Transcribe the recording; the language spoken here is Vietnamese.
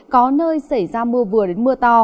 có nơi xảy ra mưa vừa đến mưa to